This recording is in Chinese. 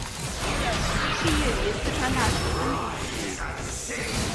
毕业于四川大学经济学院。